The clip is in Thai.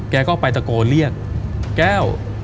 แกก็ไปตะโกนเรียกแก้ว